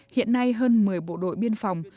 hiện nay hơn một mươi bộ đội biên phòng